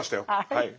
はい。